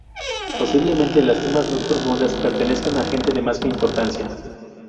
Posiblemente las tumbas más profundas pertenezcan a gente de más importancia.